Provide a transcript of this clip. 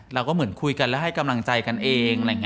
เราคุยกัน